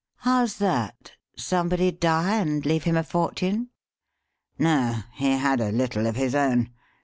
"How's that? Somebody die and leave him a fortune?" "No. He had a little of his own.